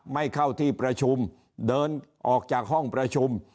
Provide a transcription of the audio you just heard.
ไม่เข้าที่ประชุมเดินออกจากห้องประชุม